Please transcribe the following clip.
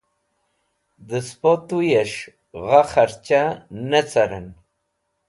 Dẽspo tuyes̃h gha karcha nẽ carẽn.